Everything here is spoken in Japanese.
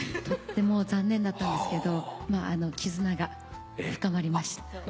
とっても残念だったんですけどまあ絆が深まりました。